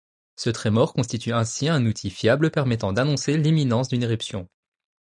Ce trémor constitue ainsi un outil fiable permettant d'annoncer l'imminence d'une éruption.